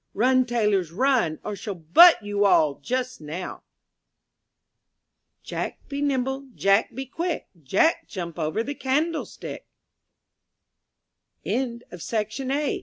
Run, tailors, run, or she'll butt you all just now. /TT^ TACK, be' nimble, ^ Jack, be quick; Jack, jump over The candlestick 29 MY BOOK HOUSE m